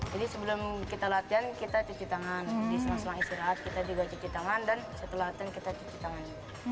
jadi sebelum kita latihan kita cuci tangan di selang selang istirahat kita juga cuci tangan dan setelah latihan kita cuci tangan